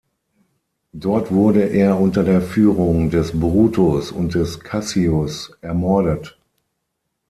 Dort wurde er unter der Führung des Brutus und des Cassius ermordet.